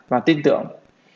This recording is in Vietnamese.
và tin tưởng